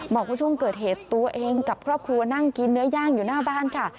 บอกว่าช่วงเกิดเหตุตัวเองกับครอบครัวนั่งกินเนื้อย่างอยู่หน้าบ้านค่ะ